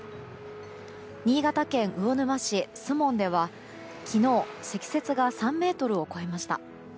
新潟県魚沼市守門では昨日、積雪が３ｍを超えました。